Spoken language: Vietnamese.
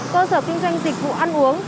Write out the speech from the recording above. cơ sở kinh doanh dịch vụ ăn uống